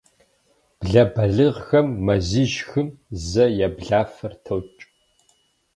Блэ балигъхэм мазищ-хым зэ я блафэр токӏ.